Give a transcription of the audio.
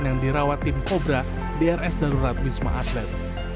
yang dirawat tim kobra drs darurat wisma atlet